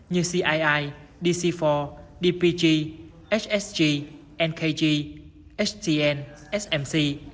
như cii dc bốn dpg hsg nkg htn smc